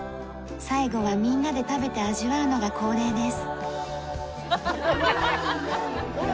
最後はみんなで食べて味わうのが恒例です。